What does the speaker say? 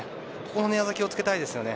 ここで寝技をつけたいです。